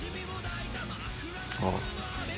ああ。